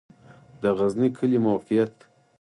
د غزنی کلی موقعیت